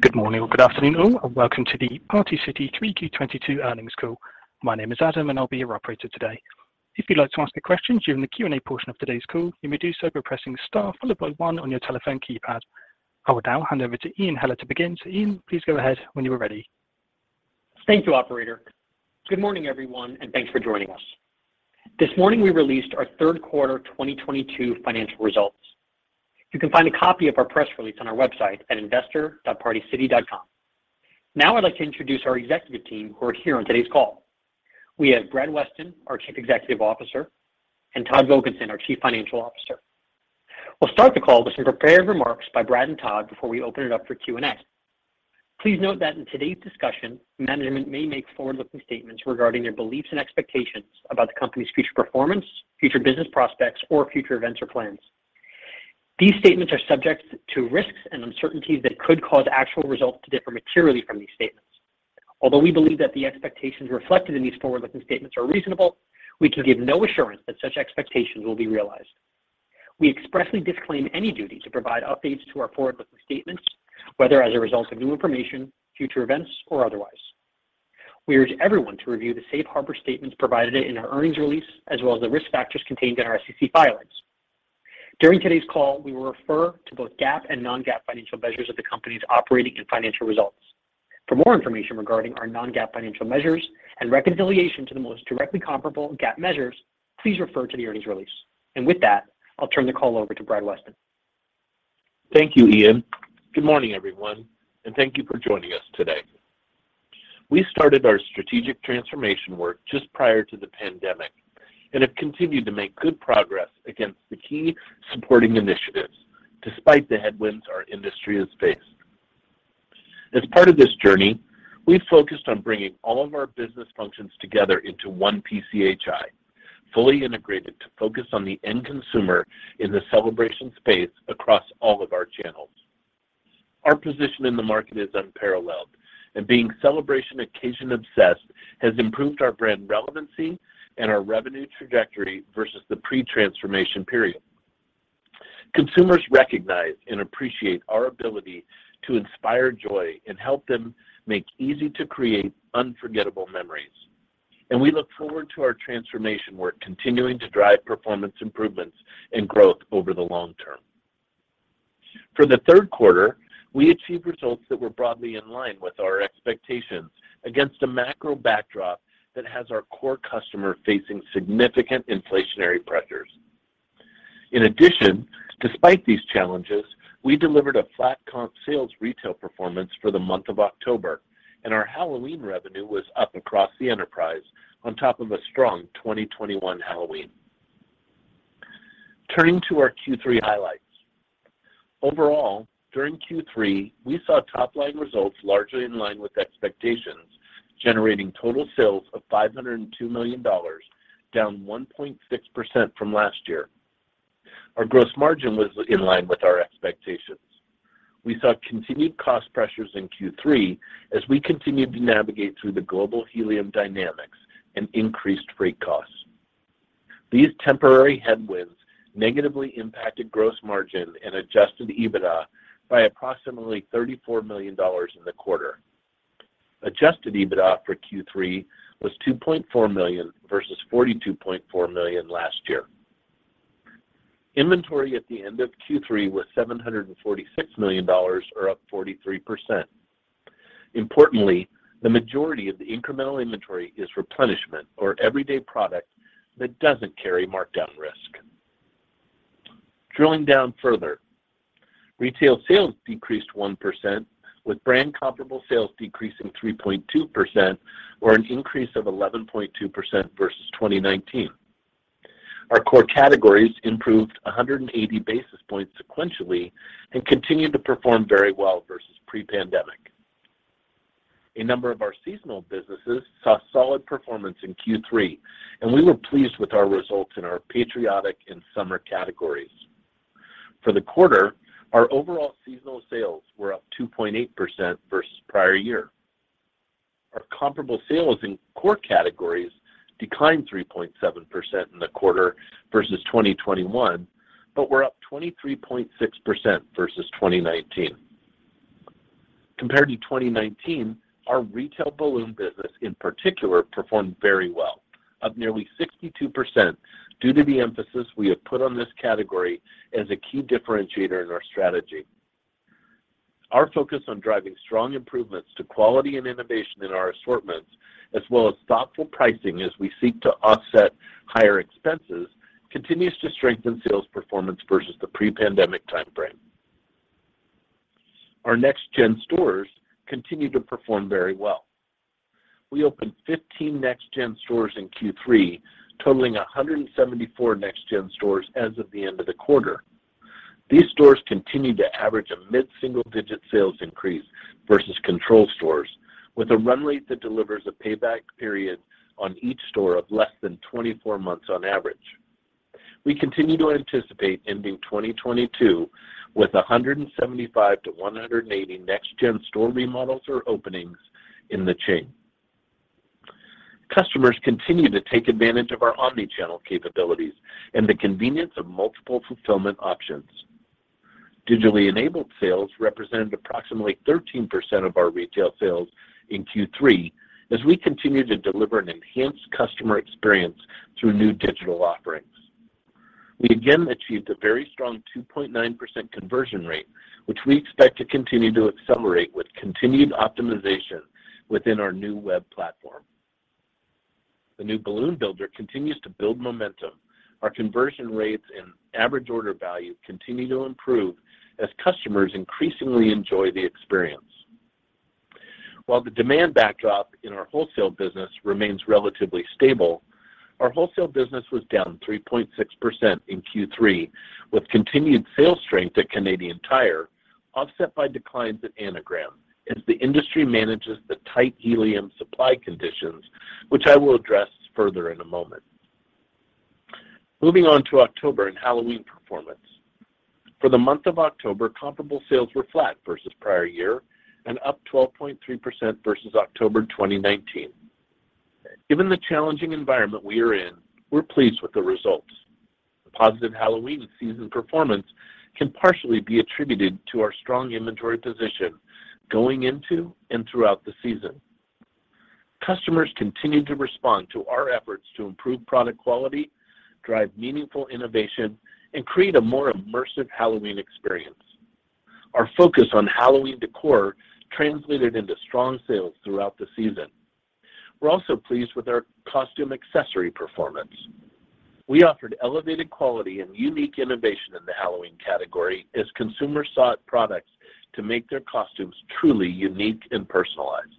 Good morning or good afternoon all, and welcome to the Party City Q3 2022 earnings call. My name is Adam, and I'll be your operator today. If you'd like to ask a question during the Q&A portion of today's call, you may do so by pressing star followed by one on your telephone keypad. I will now hand over to Ian Heller to begin. Ian, please go ahead when you are ready. Thank you, operator. Good morning, everyone, and thanks for joining us. This morning we released our third quarter 2022 financial results. You can find a copy of our press release on our website at investor.partycity.com. Now I'd like to introduce our executive team who are here on today's call. We have Brad Weston, our Chief Executive Officer, and Todd Vogensen, our Chief Financial Officer. We'll start the call with some prepared remarks by Brad and Todd before we open it up for Q&A. Please note that in today's discussion, management may make forward-looking statements regarding their beliefs and expectations about the company's future performance, future business prospects, or future events or plans. These statements are subject to risks and uncertainties that could cause actual results to differ materially from these statements. Although we believe that the expectations reflected in these forward-looking statements are reasonable, we can give no assurance that such expectations will be realized. We expressly disclaim any duty to provide updates to our forward-looking statements, whether as a result of new information, future events, or otherwise. We urge everyone to review the safe harbor statements provided in our earnings release, as well as the risk factors contained in our SEC filings. During today's call, we will refer to both GAAP and non-GAAP financial measures of the company's operating and financial results. For more information regarding our non-GAAP financial measures and reconciliation to the most directly comparable GAAP measures, please refer to the earnings release. With that, I'll turn the call over to Brad Weston. Thank you, Ian. Good morning, everyone, and thank you for joining us today. We started our strategic transformation work just prior to the pandemic and have continued to make good progress against the key supporting initiatives despite the headwinds our industry has faced. As part of this journey, we've focused on bringing all of our business functions together into one PCHI, fully integrated to focus on the end consumer in the celebration space across all of our channels. Our position in the market is unparalleled, and being celebration occasion-obsessed has improved our brand relevancy and our revenue trajectory versus the pre-transformation period. Consumers recognize and appreciate our ability to inspire joy and help them make easy-to-create, unforgettable memories, and we look forward to our transformation work continuing to drive performance improvements and growth over the long term. For the third quarter, we achieved results that were broadly in line with our expectations against a macro backdrop that has our core customer facing significant inflationary pressures. In addition, despite these challenges, we delivered a flat comp sales retail performance for the month of October, and our Halloween revenue was up across the enterprise on top of a strong 2021 Halloween. Turning to our Q3 highlights. Overall, during Q3, we saw top-line results largely in line with expectations, generating total sales of $502 million, down 1.6% from last year. Our gross margin was in line with our expectations. We saw continued cost pressures in Q3 as we continued to navigate through the global helium dynamics and increased freight costs. These temporary headwinds negatively impacted gross margin and adjusted EBITDA by approximately $34 million in the quarter. Adjusted EBITDA for Q3 was $2.4 million versus $42.4 million last year. Inventory at the end of Q3 was $746 million, or up 43%. Importantly, the majority of the incremental inventory is replenishment or everyday product that doesn't carry markdown risk. Drilling down further, retail sales decreased 1%, with brand comparable sales decreasing 3.2% or an increase of 11.2% versus 2019. Our core categories improved 180 basis points sequentially and continued to perform very well versus pre-pandemic. A number of our seasonal businesses saw solid performance in Q3, and we were pleased with our results in our patriotic and summer categories. For the quarter, our overall seasonal sales were up 2.8% versus prior year. Our comparable sales in core categories declined 3.7% in the quarter versus 2021, but were up 23.6% versus 2019. Compared to 2019, our retail balloon business in particular performed very well, up nearly 62%, due to the emphasis we have put on this category as a key differentiator in our strategy. Our focus on driving strong improvements to quality and innovation in our assortments, as well as thoughtful pricing as we seek to offset higher expenses, continues to strengthen sales performance versus the pre-pandemic timeframe. Our NXTGEN stores continue to perform very well. We opened 15 NXTGEN stores in Q3, totaling 174 NXTGEN stores as of the end of the quarter. These stores continued to average a mid-single-digit sales increase versus control stores, with a run rate that delivers a payback period on each store of less than 24 months on average. We continue to anticipate ending 2022 with 175-180 NXTGEN store remodels or openings in the chain. Customers continue to take advantage of our omni-channel capabilities and the convenience of multiple fulfillment options. Digitally enabled sales represented approximately 13% of our retail sales in Q3 as we continue to deliver an enhanced customer experience through new digital offerings. We again achieved a very strong 2.9% conversion rate, which we expect to continue to accelerate with continued optimization within our new web platform. The new Balloon Builder continues to build momentum. Our conversion rates and average order value continue to improve as customers increasingly enjoy the experience. While the demand backdrop in our wholesale business remains relatively stable, our wholesale business was down 3.6% in Q3 with continued sales strength at Canadian Tire offset by declines at Anagram as the industry manages the tight helium supply conditions, which I will address further in a moment. Moving on to October and Halloween performance. For the month of October, comparable sales were flat versus prior year and up 12.3% versus October 2019. Given the challenging environment we are in, we're pleased with the results. The positive Halloween season performance can partially be attributed to our strong inventory position going into and throughout the season. Customers continue to respond to our efforts to improve product quality, drive meaningful innovation, and create a more immersive Halloween experience. Our focus on Halloween decor translated into strong sales throughout the season. We're also pleased with our costume accessory performance. We offered elevated quality and unique innovation in the Halloween category as consumers sought products to make their costumes truly unique and personalized.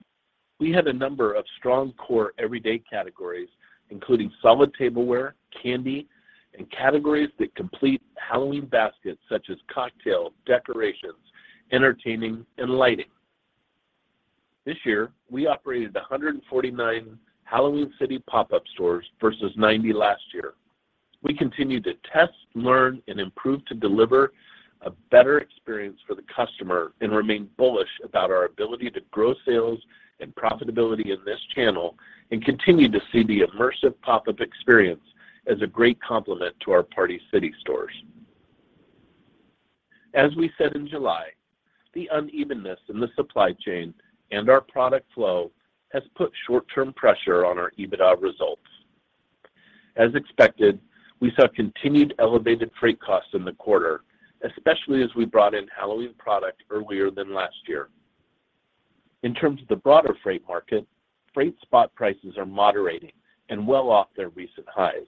We had a number of strong core everyday categories, including Solid Tableware, candy, and categories that complete Halloween baskets such as cocktail, decorations, entertaining, and lighting. This year, we operated 149 Halloween City pop-up stores versus 90 last year. We continue to test, learn, and improve to deliver a better experience for the customer and remain bullish about our ability to grow sales and profitability in this channel and continue to see the immersive pop-up experience as a great complement to our Party City stores. As we said in July, the unevenness in the supply chain and our product flow has put short-term pressure on our EBITDA results. As expected, we saw continued elevated freight costs in the quarter, especially as we brought in Halloween product earlier than last year. In terms of the broader freight market, freight spot prices are moderating and well off their recent highs.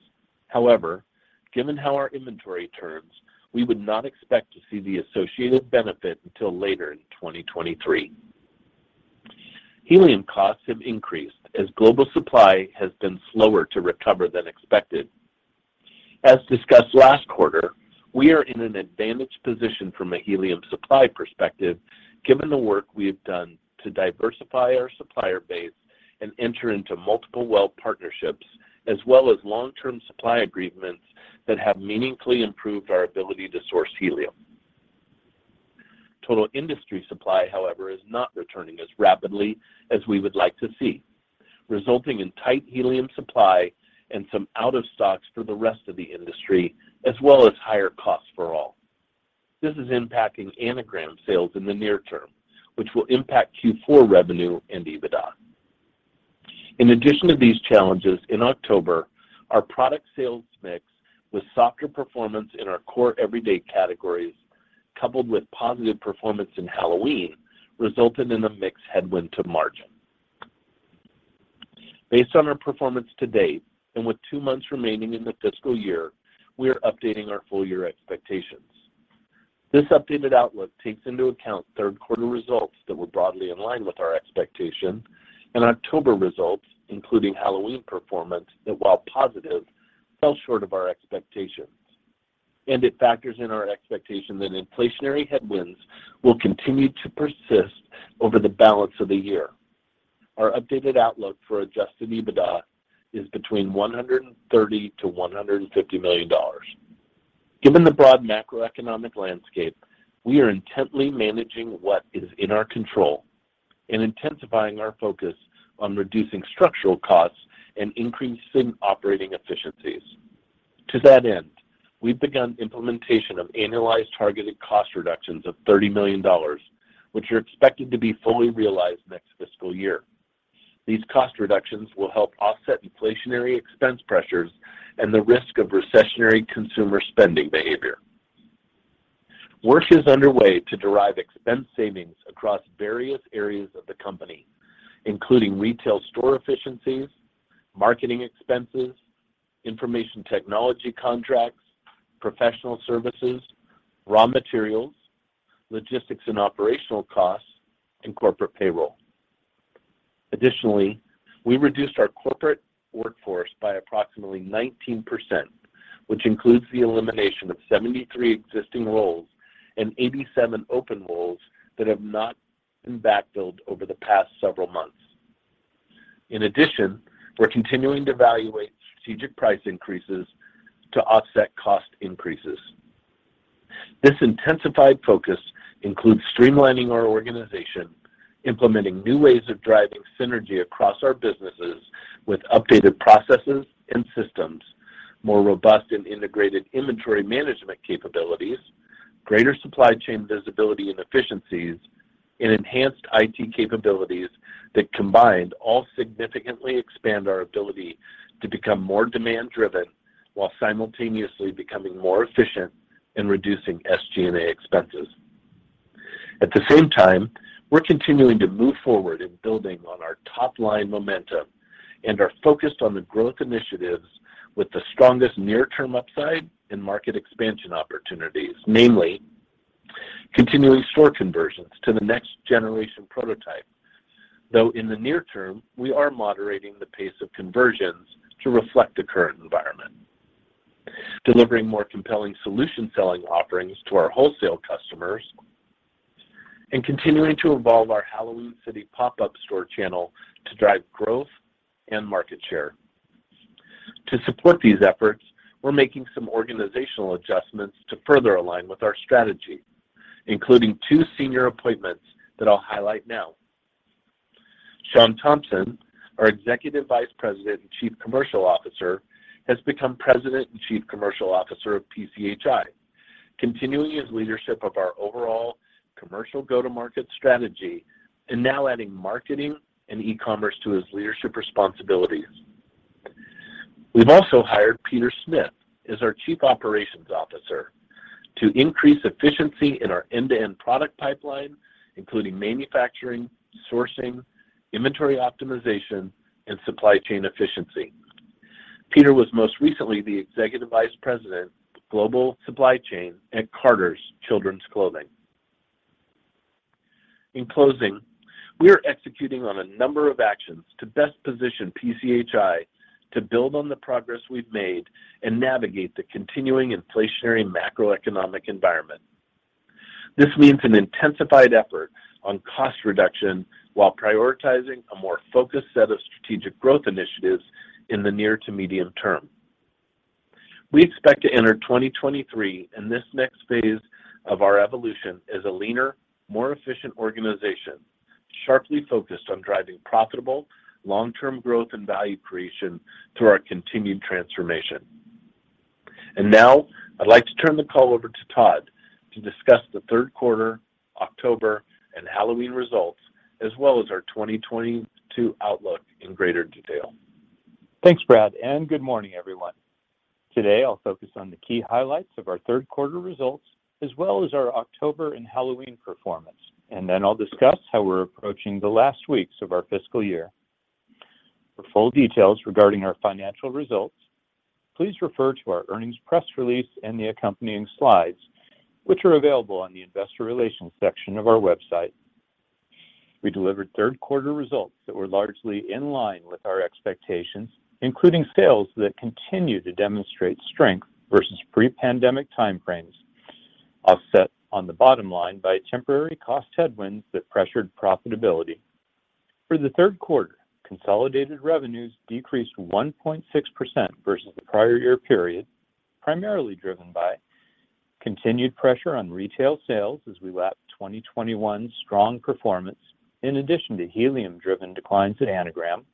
However, given how our inventory turns, we would not expect to see the associated benefit until later in 2023. Helium costs have increased as global supply has been slower to recover than expected. As discussed last quarter, we are in an advantaged position from a helium supply perspective given the work we have done to diversify our supplier base and enter into multiple well partnerships as well as long-term supply agreements that have meaningfully improved our ability to source helium. Total industry supply, however, is not returning as rapidly as we would like to see, resulting in tight helium supply and some out-of-stocks for the rest of the industry as well as higher costs for all. This is impacting Anagram sales in the near term, which will impact Q4 revenue and EBITDA. In addition to these challenges, in October, our product sales mix with softer performance in our core everyday categories coupled with positive performance in Halloween resulted in a mix headwind to margin. Based on our performance to date and with two months remaining in the fiscal year, we are updating our full-year expectations. This updated outlook takes into account third quarter results that were broadly in line with our expectations and October results, including Halloween performance that while positive fell short of our expectations, and it factors in our expectation that inflationary headwinds will continue to persist over the balance of the year. Our updated outlook for Adjusted EBITDA is between $130 million and $150 million. Given the broad macroeconomic landscape, we are intently managing what is in our control and intensifying our focus on reducing structural costs and increasing operating efficiencies. To that end, we've begun implementation of annualized targeted cost reductions of $30 million, which are expected to be fully realized next fiscal year. These cost reductions will help offset inflationary expense pressures and the risk of recessionary consumer spending behavior. Work is underway to derive expense savings across various areas of the company, including retail store efficiencies, marketing expenses, information technology contracts, professional services, raw materials, logistics and operational costs, and corporate payroll. Additionally, we reduced our corporate workforce by approximately 19%, which includes the elimination of 73 existing roles and 87 open roles that have not been backfilled over the past several months. In addition, we're continuing to evaluate strategic price increases to offset cost increases. This intensified focus includes streamlining our organization, implementing new ways of driving synergy across our businesses with updated processes and systems, more robust and integrated inventory management capabilities, greater supply chain visibility and efficiencies, and enhanced IT capabilities that combined all significantly expand our ability to become more demand-driven while simultaneously becoming more efficient in reducing SG&A expenses. At the same time, we're continuing to move forward in building on our top-line momentum and are focused on the growth initiatives with the strongest near-term upside and market expansion opportunities, namely, continuing store conversions to the next generation prototype, though in the near term, we are moderating the pace of conversions to reflect the current environment, delivering more compelling solution selling offerings to our wholesale customers, and continuing to evolve our Halloween City pop-up store channel to drive growth and market share. To support these efforts, we're making some organizational adjustments to further align with our strategy, including two senior appointments that I'll highlight now. Sean Thompson, our Executive Vice President and Chief Commercial Officer, has become President and Chief Commercial Officer of PCHI, continuing his leadership of our overall commercial go-to-market strategy and now adding marketing and e-commerce to his leadership responsibilities. We've also hired Peter Smith as our Chief Operations Officer to increase efficiency in our end-to-end product pipeline, including manufacturing, sourcing, inventory optimization, and supply chain efficiency. Peter was most recently the Executive Vice President of Global Supply Chain at Carter's, Inc. In closing, we are executing on a number of actions to best position PCHI to build on the progress we've made and navigate the continuing inflationary macroeconomic environment. This means an intensified effort on cost reduction while prioritizing a more focused set of strategic growth initiatives in the near to medium term. We expect to enter 2023 in this next phase of our evolution as a leaner, more efficient organization, sharply focused on driving profitable, long-term growth and value creation through our continued transformation. Now I'd like to turn the call over to Todd to discuss the third quarter, October, and Halloween results, as well as our 2022 outlook in greater detail. Thanks, Brad, and good morning, everyone. Today, I'll focus on the key highlights of our third quarter results, as well as our October and Halloween performance, and then I'll discuss how we're approaching the last weeks of our fiscal year. For full details regarding our financial results, please refer to our earnings press release and the accompanying slides, which are available on the Investor Relations section of our website. We delivered third quarter results that were largely in line with our expectations, including sales that continue to demonstrate strength versus pre-pandemic timeframes, offset on the bottom line by temporary cost headwinds that pressured profitability. For the third quarter, consolidated revenues decreased 1.6% versus the prior year period, primarily driven by continued pressure on retail sales as we lapped 2021 strong performance in addition to helium-driven declines at Anagram,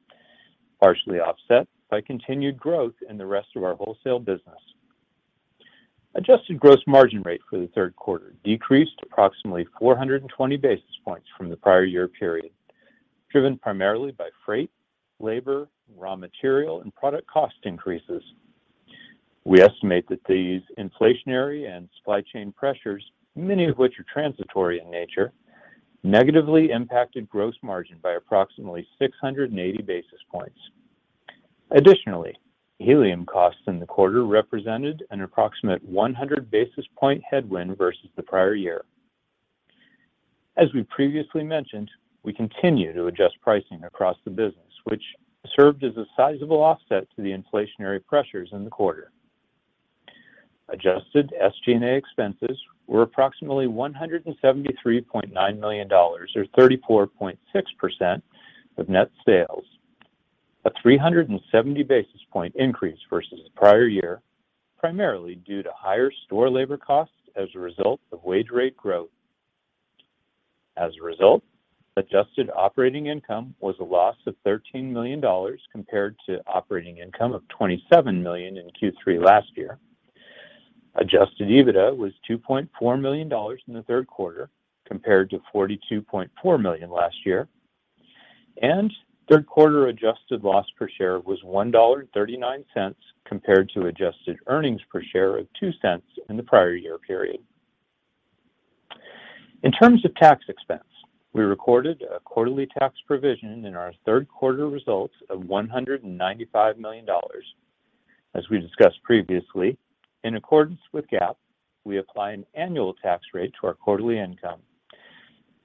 partially offset by continued growth in the rest of our wholesale business. Adjusted gross margin rate for the third quarter decreased approximately 420 basis points from the prior year period, driven primarily by freight, labor, raw material, and product cost increases. We estimate that these inflationary and supply chain pressures, many of which are transitory in nature, negatively impacted gross margin by approximately 680 basis points. Additionally, helium costs in the quarter represented an approximate 100 basis point headwind versus the prior year. As we previously mentioned, we continue to adjust pricing across the business, which served as a sizable offset to the inflationary pressures in the quarter. Adjusted SG&A expenses were approximately $173.9 million or 34.6% of net sales, a 370 basis point increase versus the prior year, primarily due to higher store labor costs as a result of wage rate growth. As a result, adjusted operating income was a loss of $13 million compared to operating income of $27 million in Q3 last year. Adjusted EBITDA was $2.4 million in the third quarter compared to $42.4 million last year. Third quarter adjusted loss per share was $1.39 compared to adjusted earnings per share of $0.02 in the prior year period. In terms of tax expense, we recorded a quarterly tax provision in our third quarter results of $195 million. As we discussed previously, in accordance with GAAP, we apply an annual tax rate to our quarterly income.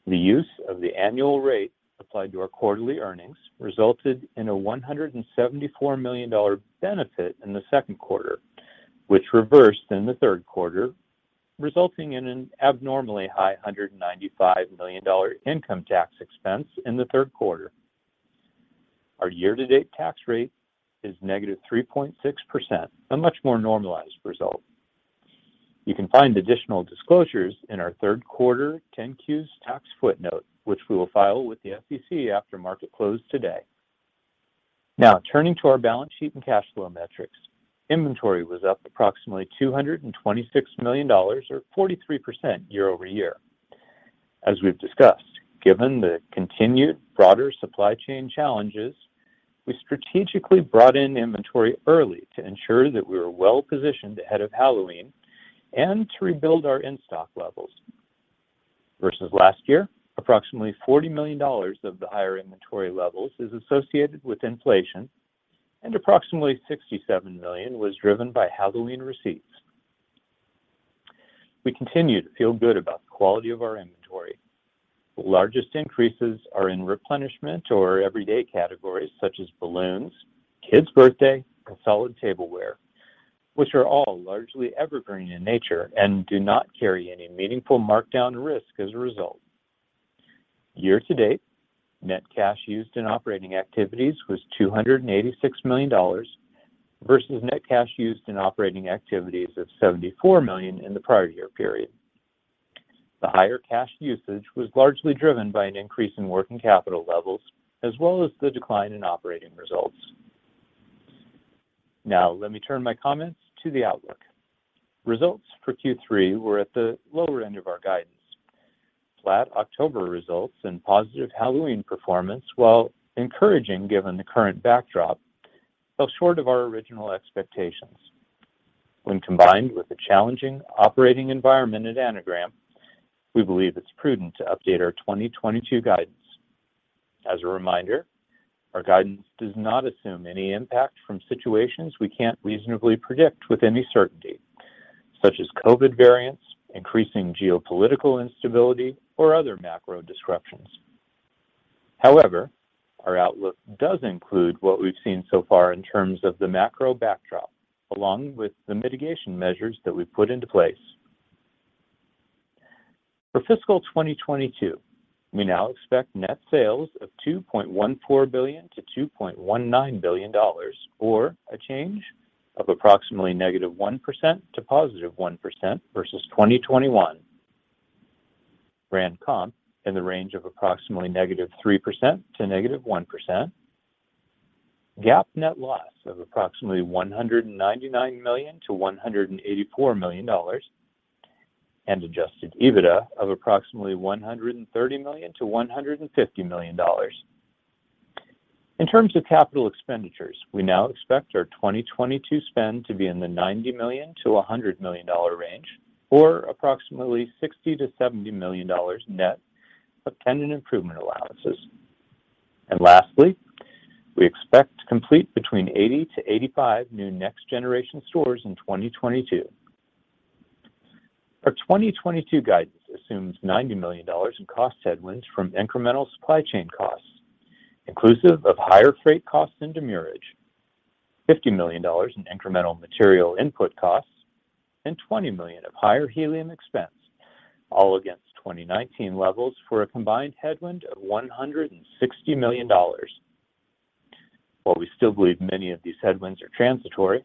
The use of the annual rate applied to our quarterly earnings resulted in a $174 million dollar benefit in the second quarter, which reversed in the third quarter, resulting in an abnormally high $195 million dollar income tax expense in the third quarter. Our year-to-date tax rate is -3.6%, a much more normalized result. You can find additional disclosures in our third quarter 10-Q's tax footnote, which we will file with the SEC after market close today. Now, turning to our balance sheet and cash flow metrics. Inventory was up approximately $226 million or 43% year-over-year. As we've discussed, given the continued broader supply chain challenges, we strategically brought in inventory early to ensure that we were well-positioned ahead of Halloween and to rebuild our in-stock levels. Versus last year, approximately $40 million of the higher inventory levels is associated with inflation, and approximately $67 million was driven by Halloween receipts. We continue to feel good about the quality of our inventory. The largest increases are in replenishment or everyday categories such as balloons, kids birthday, and Solid Tableware, which are all largely evergreen in nature and do not carry any meaningful markdown risk as a result. Year to date, net cash used in operating activities was $286 million versus net cash used in operating activities of $74 million in the prior year period. The higher cash usage was largely driven by an increase in working capital levels as well as the decline in operating results. Now, let me turn my comments to the outlook. Results for Q3 were at the lower end of our guidance. Flat October results and positive Halloween performance, while encouraging given the current backdrop, fell short of our original expectations. When combined with the challenging operating environment at Anagram, we believe it's prudent to update our 2022 guidance. As a reminder, our guidance does not assume any impact from situations we can't reasonably predict with any certainty, such as COVID variants, increasing geopolitical instability, or other macro disruptions. However, our outlook does include what we've seen so far in terms of the macro backdrop, along with the mitigation measures that we've put into place. For fiscal 2022, we now expect net sales of $2.14 billion-$2.19 billion, or a change of approximately -1% to +1% versus 2021. Brand comp in the range of approximately -3% to -1%. GAAP net loss of approximately $199 million-$184 million. Adjusted EBITDA of approximately $130 million-$150 million. In terms of capital expenditures, we now expect our 2022 spend to be in the $90 million-$100 million range, or approximately $60 million-$70 million net of tenant improvement allowances. Lastly, we expect to complete between 80 to 85 new next generation stores in 2022. Our 2022 guidance assumes $90 million in cost headwinds from incremental supply chain costs, inclusive of higher freight costs and demurrage, $50 million in incremental material input costs, and $20 million of higher helium expense, all against 2019 levels for a combined headwind of $160 million. While we still believe many of these headwinds are transitory,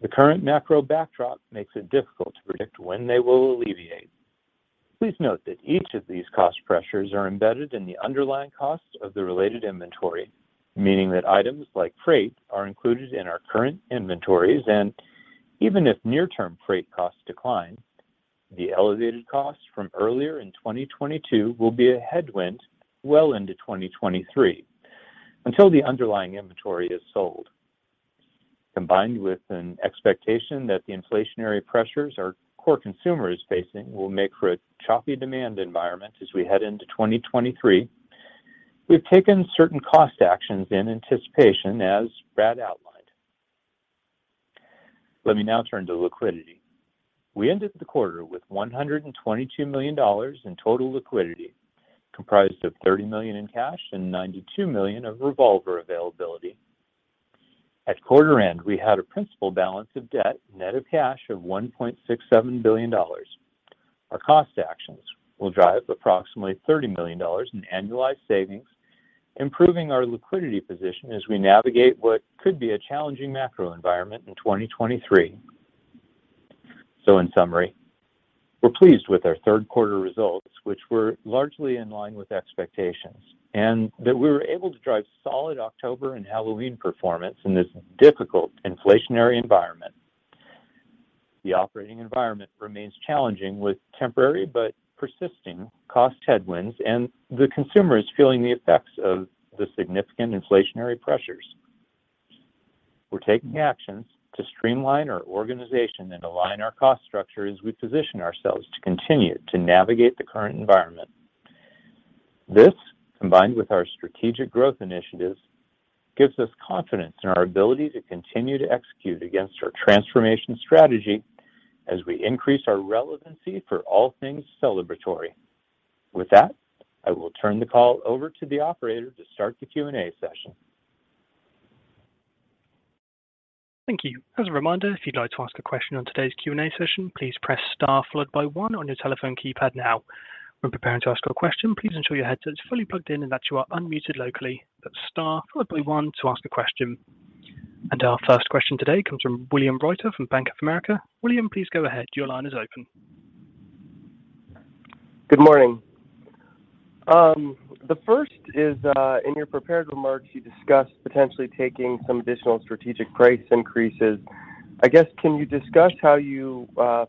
the current macro backdrop makes it difficult to predict when they will alleviate. Please note that each of these cost pressures are embedded in the underlying costs of the related inventory, meaning that items like freight are included in our current inventories, and even if near-term freight costs decline, the elevated costs from earlier in 2022 will be a headwind well into 2023 until the underlying inventory is sold. Combined with an expectation that the inflationary pressures our core consumer is facing will make for a choppy demand environment as we head into 2023, we've taken certain cost actions in anticipation as Brad outlined. Let me now turn to liquidity. We ended the quarter with $122 million in total liquidity, comprised of $30 million in cash and $92 million of revolver availability. At quarter end, we had a principal balance of debt, net of cash of $1.67 billion. Our cost actions will drive approximately $30 million in annualized savings, improving our liquidity position as we navigate what could be a challenging macro environment in 2023. In summary, we're pleased with our third quarter results, which were largely in line with expectations, and that we were able to drive solid October and Halloween performance in this difficult inflationary environment. The operating environment remains challenging with temporary but persisting cost headwinds, and the consumer is feeling the effects of the significant inflationary pressures. We're taking actions to streamline our organization and align our cost structure as we position ourselves to continue to navigate the current environment. This, combined with our strategic growth initiatives, gives us confidence in our ability to continue to execute against our transformation strategy as we increase our relevancy for all things celebratory. With that, I will turn the call over to the operator to start the Q&A session. Thank you. As a reminder, if you'd like to ask a question on today's Q&A session, please press star followed by one on your telephone keypad now. When preparing to ask a question, please ensure your headset is fully plugged in and that you are unmuted locally. Star followed by one to ask a question. Our first question today comes from William Reuter from Bank of America. William, please go ahead. Your line is open. Good morning. The first is, in your prepared remarks, you discussed potentially taking some additional strategic price increases. I guess, can you discuss how you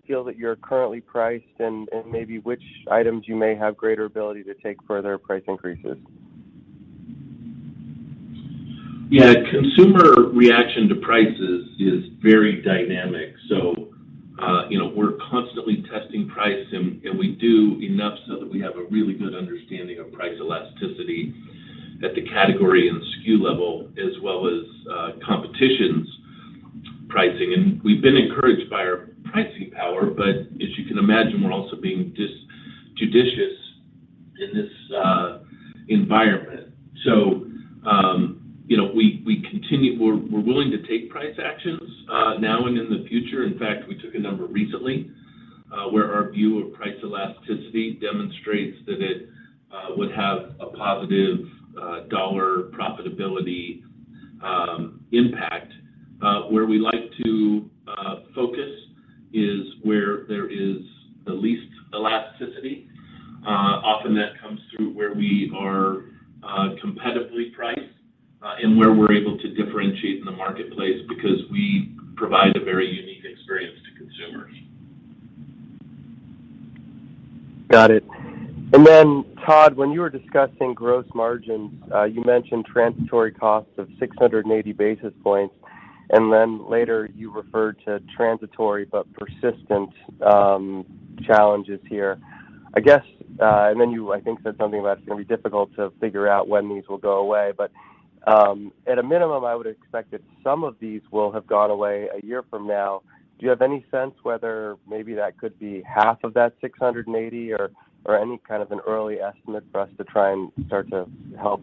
feel that you're currently priced and maybe which items you may have greater ability to take further price increases? Yeah. Consumer reaction to prices is very dynamic. You know, we're constantly testing price and we do enough so that we have a really good understanding of price elasticity at the category and SKU level, as well as competition's pricing. We've been encouraged by our pricing power, but as you can imagine, we're also being judicious in this environment. You know, we're willing to take price actions now and in the future. In fact, we took a number recently where our view of price elasticity demonstrates that it would have a positive dollar profitability impact. Where we like to focus is where there is the least elasticity. Often that comes through where we are competitively priced, and where we're able to differentiate in the marketplace because we provide a very unique experience to consumers. Got it. Todd, when you were discussing gross margins, you mentioned transitory costs of 680 basis points, and then later you referred to transitory but persistent challenges here. I guess, and then you, I think, said something about it's gonna be difficult to figure out when these will go away. At a minimum, I would expect that some of these will have gone away a year from now. Do you have any sense whether maybe that could be half of that 680 or any kind of an early estimate for us to try and start to help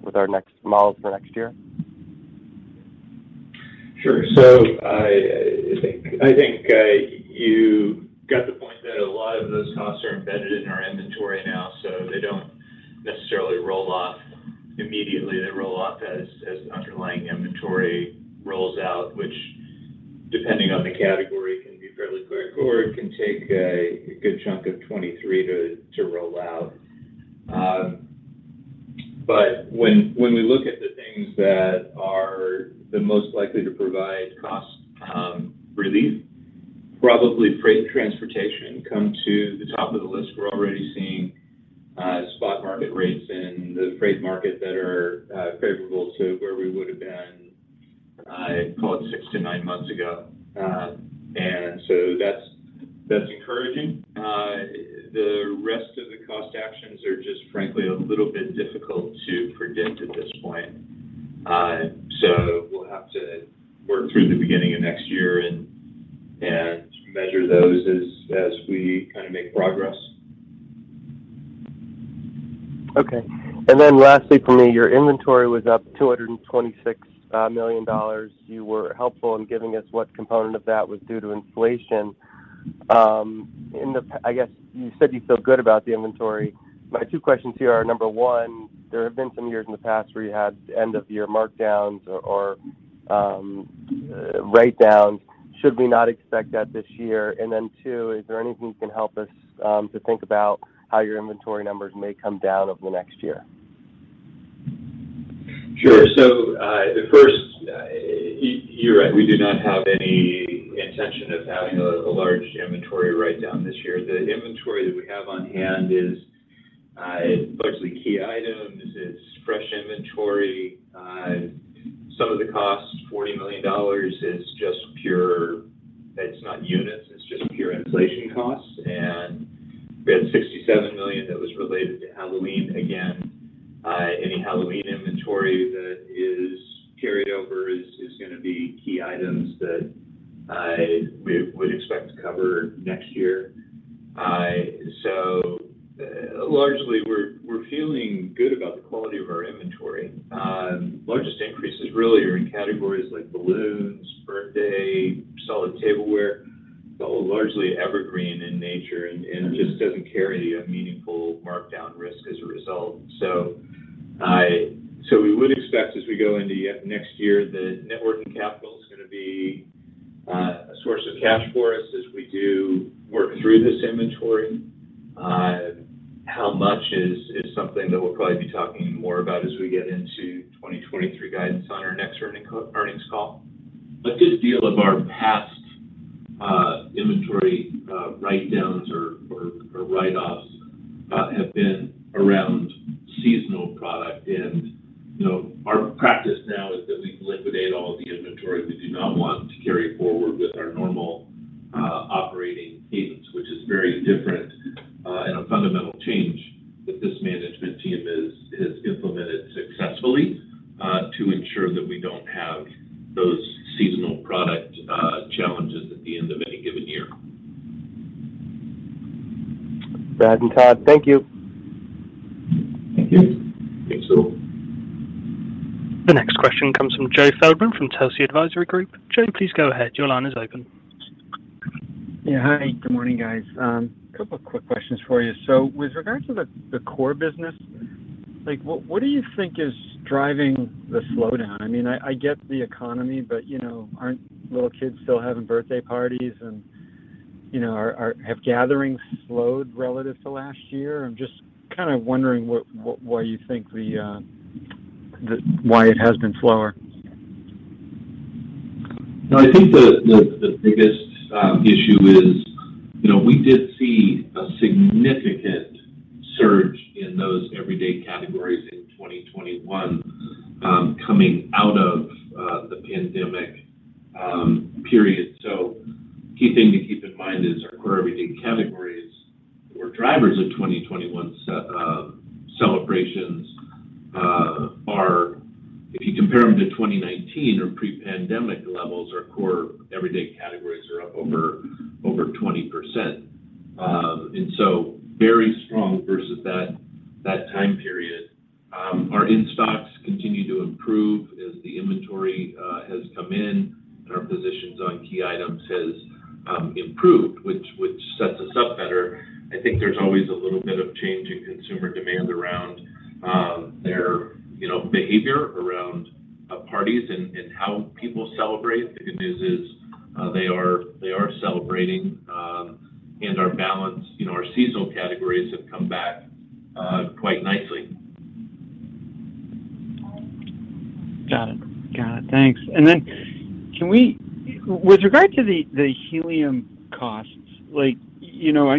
with our next models for next year? Sure. I think you got the point that a lot of those costs are embedded in our inventory now, so they don't necessarily roll off immediately. They roll off as underlying inventory rolls out, which depending on the category, can be fairly quick, or it can take a good chunk of 2023 to roll out. When we look at the things that are the most likely to provide cost relief, probably freight and transportation come to the top of the list. We're already seeing spot market rates in the freight market that are favorable to where we would've been, call it 6-9 months ago. That's encouraging. The rest of the cost actions are just, frankly, a little bit difficult to predict at this point. We'll have to work through the beginning of next year and measure those as we kinda make progress. Okay. Lastly from me, your inventory was up $226 million. You were helpful in giving us what component of that was due to inflation. I guess you said you feel good about the inventory. My two questions here are, number one, there have been some years in the past where you had end-of-year markdowns or write-downs. Should we not expect that this year? Two, is there anything you can help us to think about how your inventory numbers may come down over the next year? Sure. The first, you're right, we do not have any intention of having a large inventory write-down this year. The inventory that we have on hand is largely key items. It's fresh inventory. Some of the cost, $40 million, is just pure inflation costs. It's not units, it's just pure inflation costs. We had $67 million that was related to Halloween. Again, any Halloween inventory that is carried over is gonna be key items that we would expect to cover next year. Largely, we're feeling good about the quality of our inventory. Largest increases really are in categories like balloons, birthday, Solid Tableware, but largely evergreen in nature and just doesn't carry a meaningful markdown risk as a result. We would expect as we go into next year that working capital is gonna be a source of cash for us as we do work through this inventory. How much is something that we'll probably be talking more about as we get into 2023 guidance on our next earnings call. A good deal of our past inventory write-downs or write-offs have been around seasonal product. You know, our practice now is that we liquidate all of the inventory we do not want to carry forward with our normal operating cadence, which is very different and a fundamental change that this management team has implemented successfully to ensure that we don't have those seasonal product challenges at the end of any given year. Brad and Todd, thank you. Thank you. Thanks all. The next question comes from Joe Feldman from Telsey Advisory Group. Joe, please go ahead. Your line is open. Yeah, hi. Good morning, guys. A couple of quick questions for you. With regard to the core business, like what do you think is driving the slowdown? I mean, I get the economy, but, you know, aren't little kids still having birthday parties and, you know, have gatherings slowed relative to last year? I'm just kinda wondering what, why you think the why it has been slower. No, I think the biggest issue is, you know, we did see a significant surge in those everyday categories in 2021, coming out of the pandemic period. Key thing to keep in mind is our core everyday categories or drivers of 2021 celebrations are if you compare them to 2019 or pre-pandemic levels, our core everyday categories are up over 20%. Very strong versus that time period. Our in-stocks continue to improve as the inventory has come in, and our positions on key items has improved, which sets us up better. I think there's always a little bit of change in consumer demand around their, you know, behavior around parties and how people celebrate. The good news is, they are celebrating, and our balance, you know, our seasonal categories have come back quite nicely. Got it. Thanks. With regard to the helium costs, like, you know,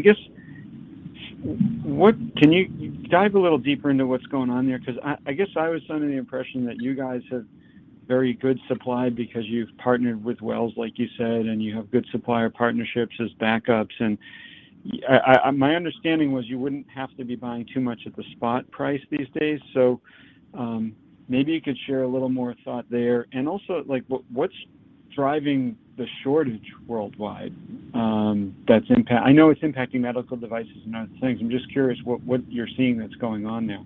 can you dive a little deeper into what's going on there? 'Cause I guess I was under the impression that you guys have very good supply because you've partnered with Wells, like you said, and you have good supplier partnerships as backups. My understanding was you wouldn't have to be buying too much at the spot price these days. Maybe you could share a little more thought there. Also, like, what's driving the shortage worldwide, that's impacting. I know it's impacting medical devices and other things. I'm just curious what you're seeing that's going on now.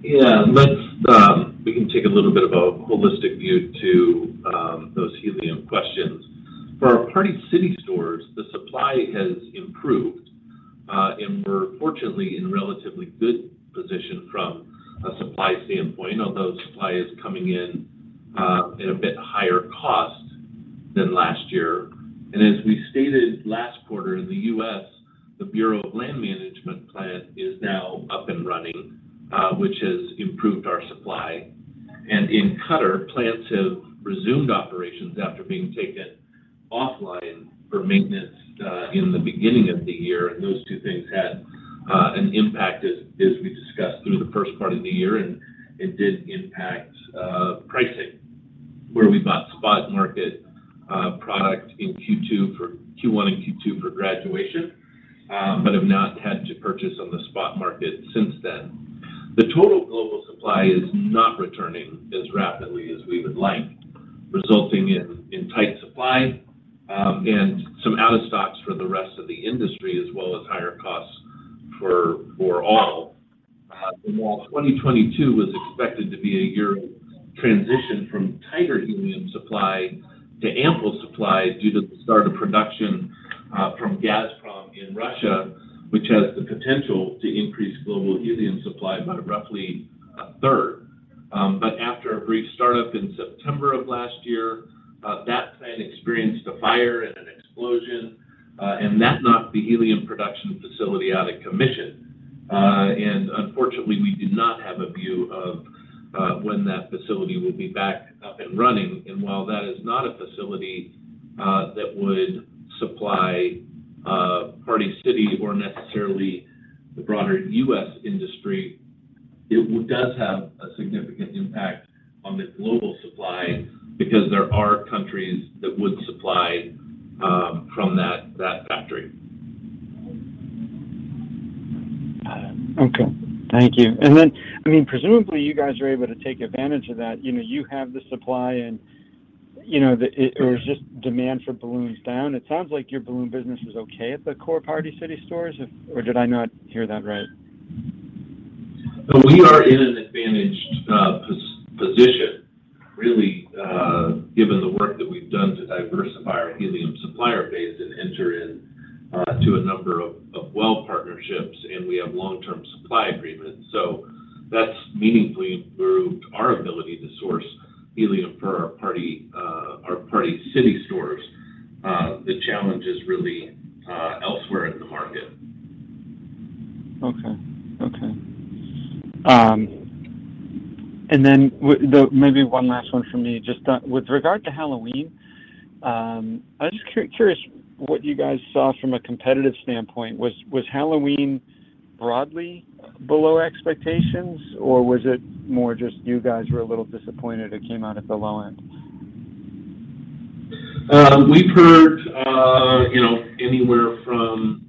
Yeah. We can take a little bit of a holistic view to those helium questions. For our Party City stores, the supply has improved, and we're fortunately in a relatively good position from a supply standpoint, although supply is coming in at a bit higher cost than last year. As we stated last quarter, in the U.S., the Bureau of Land Management plant is now up and running, which has improved our supply. In Qatar, plants have resumed operations after being taken offline for maintenance, in the beginning of the year. Those two things had an impact as we discussed through the first part of the year, and it did impact pricing, where we bought spot market product in Q1 and Q2 for graduation, but have not had to purchase on the spot market since then. The total global supply is not returning as rapidly as we would like, resulting in tight supply and some out of stocks for the rest of the industry, as well as higher costs for all. While 2022 was expected to be a year of transition from tighter helium supply to ample supply due to the start of production from Gazprom in Russia, which has the potential to increase global helium supply by roughly a third. After a brief startup in September of last year, that plant experienced a fire and an explosion, and that knocked the helium production facility out of commission. Unfortunately, we do not have a view of when that facility will be back up and running. While that is not a facility that would supply Party City or necessarily the broader U.S. industry, it does have a significant impact on the global supply because there are countries that would supply from that factory. Got it. Okay. Thank you. I mean, presumably, you guys are able to take advantage of that. You know, you have the supply and, you know, the, it- Yeah. Is just demand for balloons down? It sounds like your balloon business was okay at the core Party City stores. Did I not hear that right? We are in an advantaged position really, given the work that we've done to diversify our helium supplier base and enter into a number of well partnerships, and we have long-term supply agreements. That's meaningfully improved our ability to source helium for our Party City stores. The challenge is really elsewhere in the market. Okay. Maybe one last one from me. Just, with regard to Halloween, I'm just curious what you guys saw from a competitive standpoint. Was Halloween broadly below expectations, or was it more just you guys were a little disappointed it came out at the low end? We've heard, you know, anywhere from,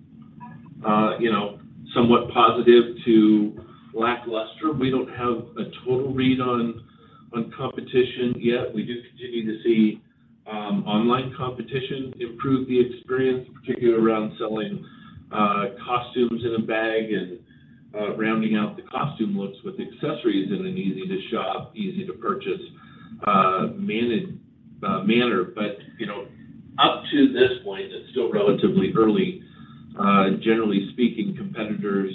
you know, somewhat positive to lackluster. We don't have a total read on competition yet. We do continue to see online competition improve the experience, particularly around selling costumes in a bag and rounding out the costume looks with accessories in an easy to shop, easy to purchase manner. But, you know, up to this point, it's still relatively early. Generally speaking, competitors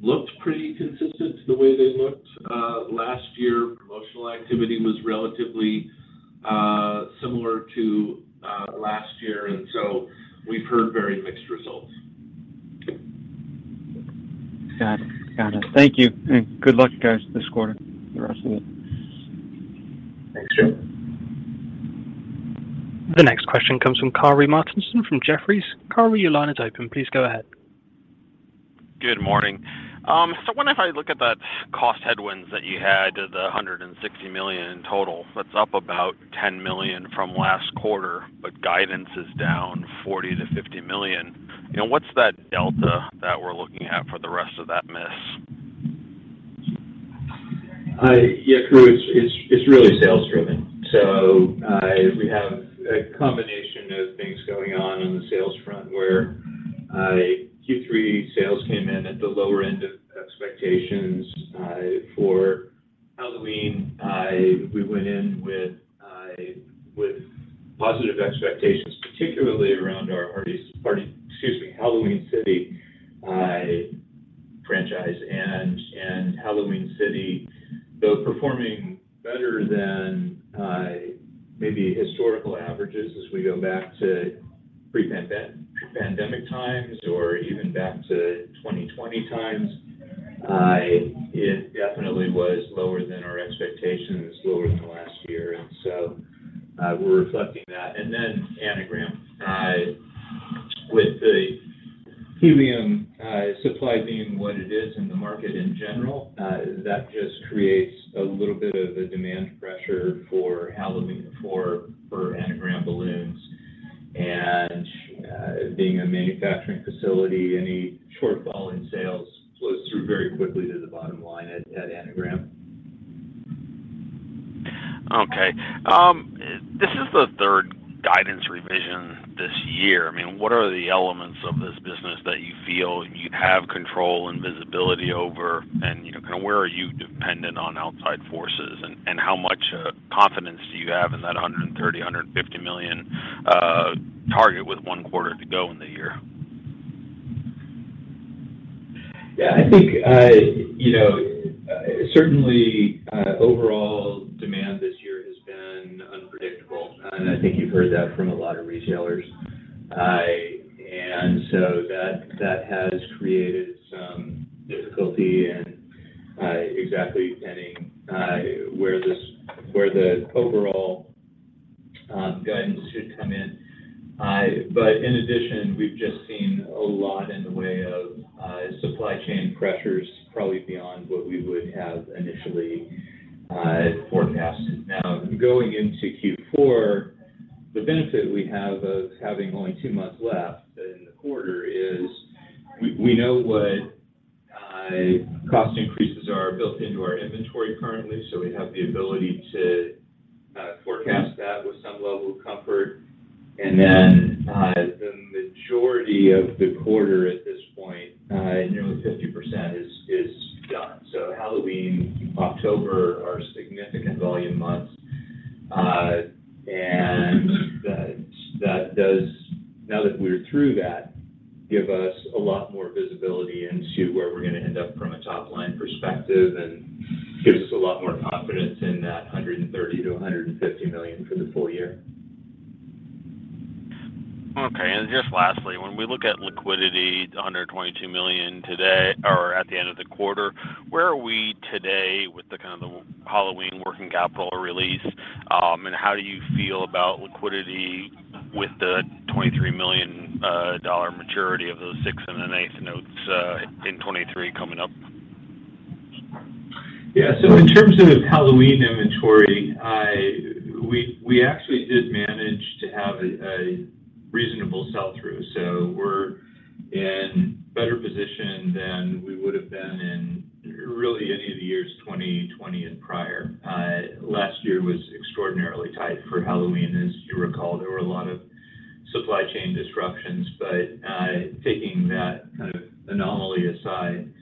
looked pretty consistent to the way they looked last year. Promotional activity was relatively similar to last year. We've heard very mixed results. Got it. Thank you and good luck, guys, this quarter, the rest of it. Thanks, Jim. The next question comes from Karru Martinson from Jefferies. Kari, your line is open. Please go ahead. Good morning. I wonder if I look at that cost headwinds that you had, the $160 million in total, that's up about $10 million from last quarter, but guidance is down $40-$50 million. You know, what's that delta that we're looking at for the rest of that miss? Yeah, Kari, it's really sales driven. We have a combination of things going on on the sales front where Q3 sales came in at the lower end of expectations for Halloween. We went in with positive expectations, particularly around our Halloween City franchise and Halloween City, though, performing better than maybe historical averages as we go back to pre-pandemic times or even back to 2020 times. It definitely was lower than our expectations, lower than the last year. We're reflecting that. Then Anagram. With the helium supply being what it is in the market in general, that just creates a little bit of a demand pressure for Anagram balloons and, being a manufacturing facility, any shortfall in sales flows through very quickly to the bottom line at Anagram. Okay. This is the third guidance revision this year. I mean, what are the elements of this business that you feel you have control and visibility over? You know, kind of where are you dependent on outside forces? And how much confidence do you have in that $130 million-$150 million target with one quarter to go in the year? Yeah, I think, you know, certainly, overall demand this year has been unpredictable, and I think you've heard that from a lot of retailers. That has created some difficulty and exactly pinning where this, where the overall guidance should come in. But in addition, we've just seen a lot in the way of supply chain pressures, probably beyond what we would have initially forecasted. Now, going into Q4, the benefit we have of having only two months left in the quarter is we know what cost increases are built into our inventory currently, so we have the ability to forecast that with some level of comfort. Then, the majority of the quarter at this point, nearly 50% is done. Halloween, October are significant volume months. That does, now that we're through that, give us a lot more visibility into where we're gonna end up from a top-line perspective and gives us a lot more confidence in that $130 million-$150 million for the full year. Okay. Just lastly, when we look at liquidity, we're under $22 million today or at the end of the quarter, where are we today with the kind of Halloween working capital release? How do you feel about liquidity with the $23 million dollar maturity of those sixth and eighth notes in 2023 coming up? Yeah. In terms of Halloween inventory, we actually did manage to have a reasonable sell-through. We're in better position than we would have been in really any of the years 2020 and prior. Last year was extraordinarily tight for Halloween. As you recall, there were a lot of supply chain disruptions, but taking that kind of anomaly aside,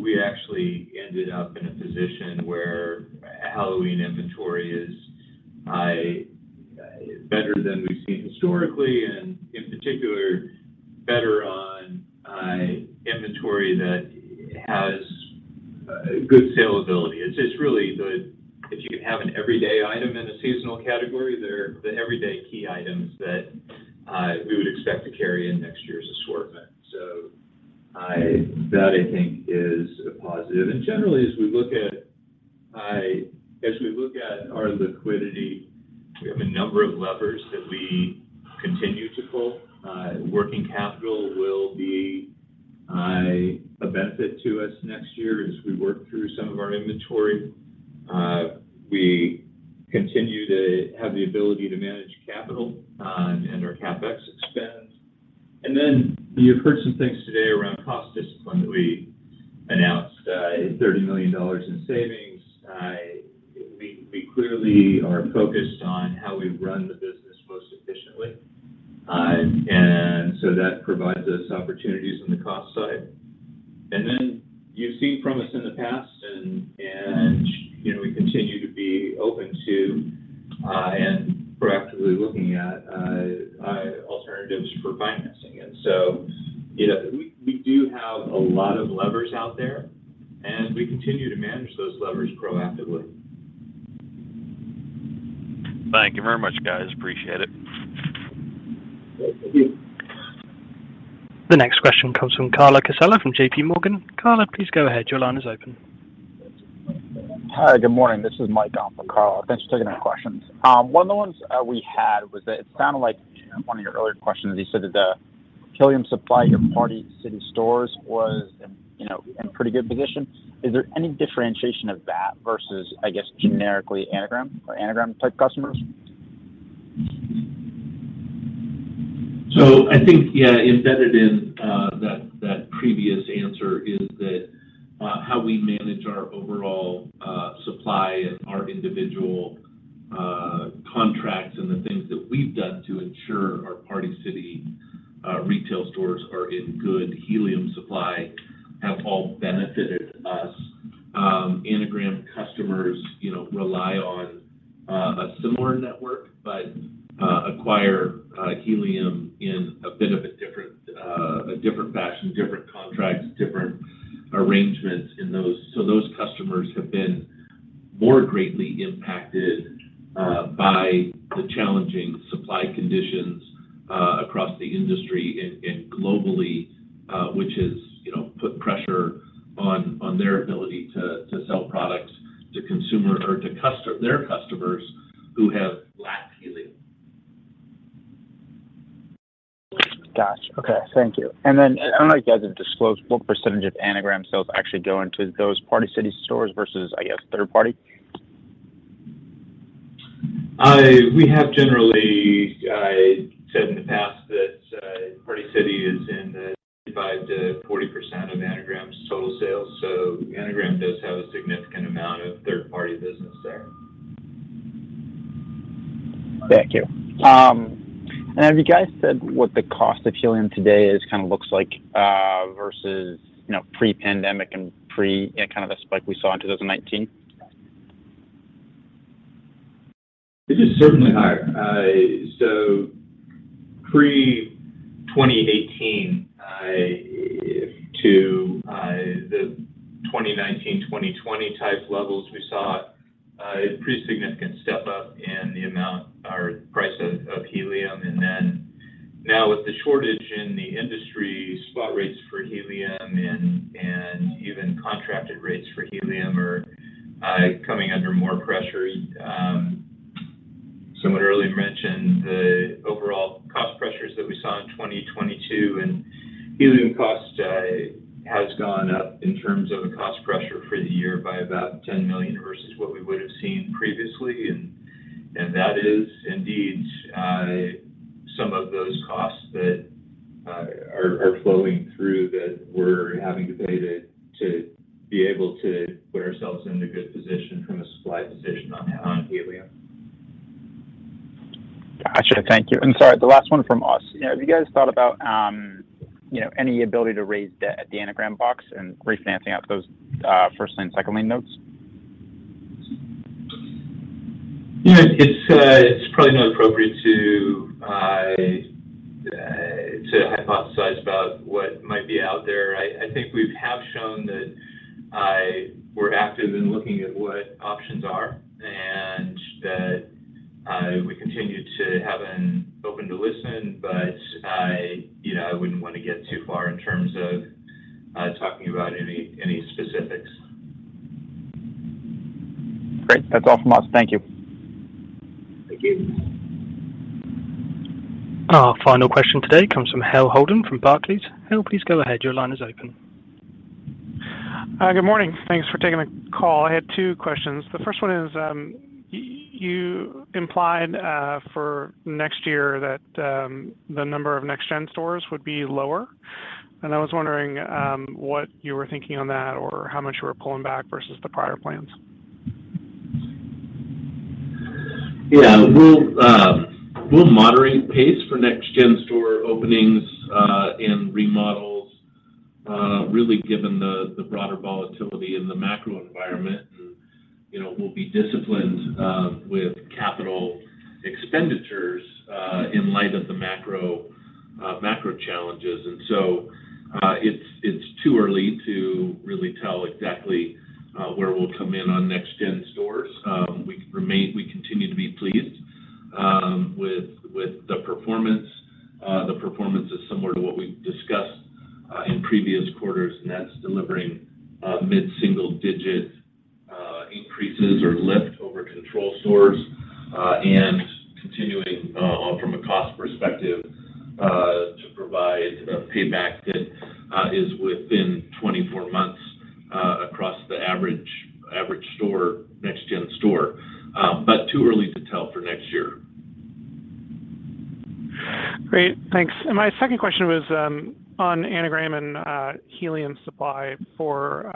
we actually ended up in a position where Halloween inventory is better than we've seen historically and, in particular, better on inventory that has good salability. It's really. If you can have an everyday item in a seasonal category, they're the everyday key items that we would expect to carry in next year's assortment. That I think is a positive. Generally, as we look at our liquidity, we have a number of levers that we continue to pull. Working capital will be a benefit to us next year as we work through some of our inventory. We continue to have the ability to manage capital and our CapEx spend. Then you've heard some things today around cost discipline that we announced $30 million in savings. We clearly are focused on how we run the business most efficiently. That provides us opportunities on the cost side. Then you've seen from us in the past and, you know, we continue to be open to and proactively looking at alternatives for financing it. you know, we do have a lot of levers out there, and we continue to manage those levers proactively. Thank you very much, guys. Appreciate it. Thank you. The next question comes from Carla Casella from JP Morgan. Carla, please go ahead. Your line is open. Hi. Good morning. This is Mike on for Carla. Thanks for taking my questions. One of the ones we had was that it sounded like one of your earlier questions, you said that the helium supply to Party City stores was in, you know, in pretty good position. Is there any differentiation of that versus, I guess, generically Anagram or Anagram-type customers? I think embedded in that previous answer is that how we manage our overall supply and our individual contracts and the things that we've done to ensure our Party City retail stores are in good helium supply have all benefited us. Anagram customers, you know, rely on a similar network, but acquire helium in a bit of a different fashion, different contracts, different arrangements in those. Those customers have been more greatly impacted by the challenging supply conditions across the industry and globally, which has, you know, put pressure on their ability to sell products to their customers who have lacked helium. Gotcha. Okay. Thank you. I don't know if you guys have disclosed what percentage of Anagram sales actually go into those Party City stores versus, I guess, third party? We have generally said in the past that Party City is in the 35%-40% of Anagram's total sales. Anagram does have a significant amount of third-party business there. Thank you. Have you guys said what the cost of helium today is kinda looks like, versus, you know, pre-pandemic and pre kind of the spike we saw in 2019? It is certainly higher. Pre-2018 to the 2019, 2020 type levels, we saw a pretty significant step-up in the amount or price of helium. Now with the shortage in the industry, spot rates for helium and even contracted rates for helium are coming under more pressure. Someone earlier mentioned the overall cost pressures that we saw in 2022 and helium cost has gone up in terms of a cost pressure for the year by about $10 million versus what we would have seen previously. That is indeed some of those costs that are flowing through that we're having to pay to be able to put ourselves in a good position from a supply position on helium. Gotcha. Thank you. Sorry, the last one from us. You know, have you guys thought about, you know, any ability to raise debt at the Anagram box and refinancing out those, first and second lien notes? You know, it's probably not appropriate to hypothesize about what might be out there. I think we have shown that we're active in looking at what options are and that we continue to have an openness to listen, but you know, I wouldn't wanna get too far in terms of talking about any specifics. Great. That's all from us. Thank you. Thank you. Our final question today comes from Hale Holden from Barclays. Hal, please go ahead. Your line is open. Good morning. Thanks for taking the call. I had two questions. The first one is, you implied for next year that the number of NXTGEN stores would be lower. I was wondering what you were thinking on that or how much you were pulling back versus the prior plans. Yeah. We'll moderate pace for Next Gen store openings and remodels really given the broader volatility in the macro environment. You know, we'll be disciplined with capital expenditures in light of the macro challenges. It's too early to really tell exactly where we'll come in on Next Gen stores. We continue to be pleased with the performance. The performance is similar to what we've discussed in previous quarters, and that's delivering mid-single digit increases or lift over control stores and continuing from a cost perspective to provide a payback that is within 24 months. Across the average store, Next Gen store. But too early to tell for next year. Great. Thanks. My second question was on Anagram and helium supply for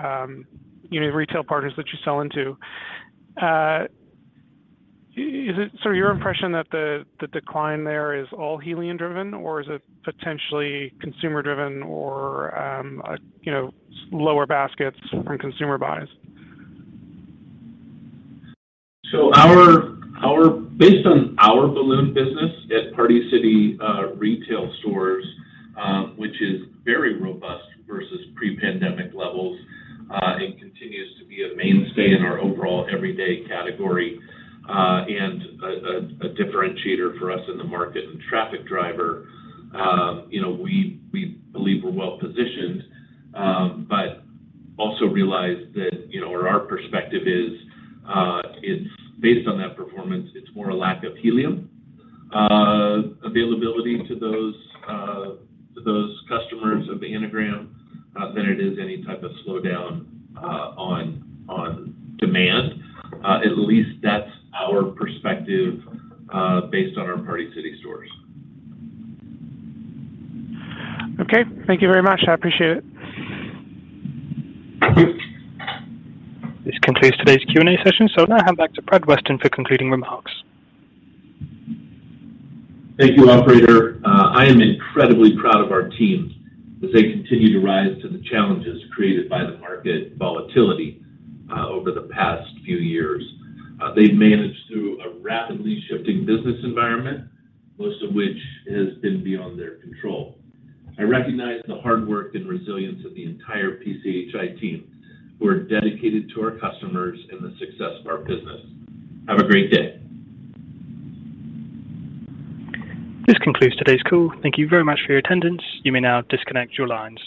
you know, retail partners that you sell into. Your impression that the decline there is all helium driven or is it potentially consumer driven or you know, lower baskets from consumer buys? Based on our balloon business at Party City retail stores, which is very robust versus pre-pandemic levels, and continues to be a mainstay in our overall everyday category, and a differentiator for us in the market and traffic driver, you know, we believe we're well positioned, but also realize that, you know, our perspective is, it's based on that performance, it's more a lack of helium availability to those customers of the Anagram than it is any type of slowdown on demand. At least that's our perspective based on our Party City stores. Okay. Thank you very much. I appreciate it. Thank you. This concludes today's Q&A session. Now I hand back to Brad Weston for concluding remarks. Thank you, operator. I am incredibly proud of our team as they continue to rise to the challenges created by the market volatility over the past few years. They've managed through a rapidly shifting business environment, most of which has been beyond their control. I recognize the hard work and resilience of the entire PCHI team, who are dedicated to our customers and the success of our business. Have a great day. This concludes today's call. Thank you very much for your attendance. You may now disconnect your lines.